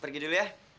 pergi dulu ya